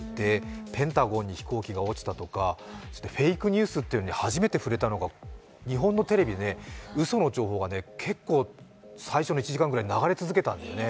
ペンタゴンに飛行機が落ちたとかフェイクニュースに初めて触れたのが日本のテレビでうその情報が結構最初の１時間ぐらい、流れ続けたんだよね。